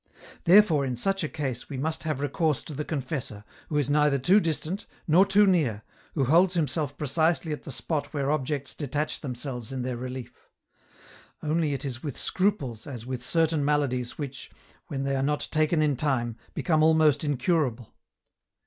Therefore in such a case we must have recourse to the confessor, who is neither too distant, nor too near, who holds himself precisely at the spot where objects detach themselves in their relief. Only it is with scruples as with certain maladies which, when they are not taken in time, become almost incurable.